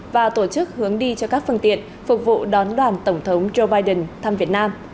và tổ chức hướng đi cho các phương tiện phục vụ đón đoàn tổng thống joe biden thăm việt nam